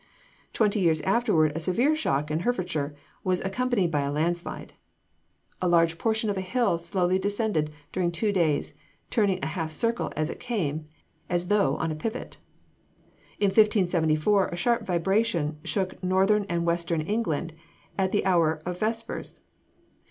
Twenty years afterward a severe shock in Herefordshire was accompanied by a landslide. A large portion of a hill slowly descended during two days, turning a half circle as it came, as though on a pivot. In 1574 a sharp vibration shook northern and western England at the hour for vespers.